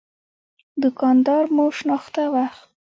دوکان دار مو شناخته وخت.